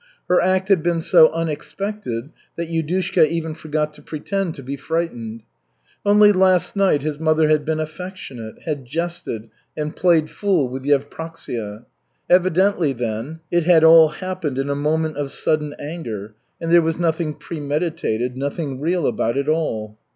Her act had been so unexpected that Yudushka even forgot to pretend to be frightened. Only last night his mother had been affectionate, had jested, and played fool with Yevpraksia. Evidently, then, it had all happened in a moment of sudden anger, and there was nothing premeditated, nothing real about it all.